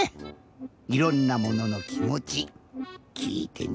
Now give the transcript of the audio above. いろんなもののきもちきいてみたいよね。